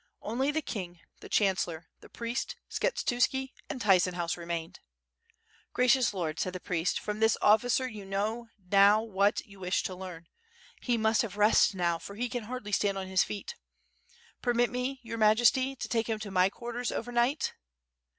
Only the king, the chancellor, the priest, Skshetuski, and Tyzenhauz remained. "Gracious Lord," said the priest, "from this officer you know now what you wish to learn, he must have rest now, for he can hardly stand on his feet. Permit me. Your Majesty, to take him to my quarters over night?"